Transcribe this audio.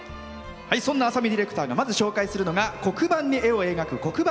そんな浅見ディレクターがまず紹介するのは黒板に絵を描く黒板